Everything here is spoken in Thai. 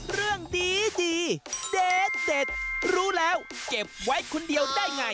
เรื่องดีเด็ดรู้แล้วเก็บไว้คนเดียวได้ไง